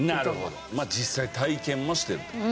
実際体験もしてると。